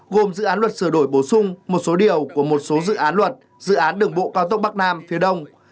gồm dự án luật sửa đổi bổ sung một số điều của một số dự án luật dự án đường bộ cao tốc bắc nam phía đông